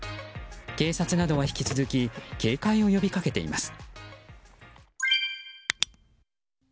警察などが引き続き警戒を呼びかけています。